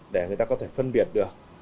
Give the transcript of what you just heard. để người ta có thể phân biệt được